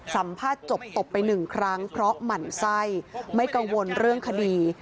สัมภาษณ์จบตบไปหนึ่งครั้งเพราะหมั่นไส้ไม่กังวลเรื่องคดี